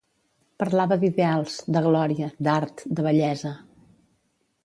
Parlava d'ideals, de gloria, d'art, de bellesa